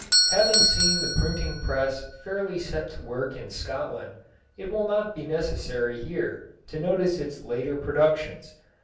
Having seen the printing press fairly set to work in Scotland, it will not be necessary here to notice its later productions.